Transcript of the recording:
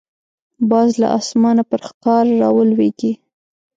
باز له اسمانه پر ښکار راولويږي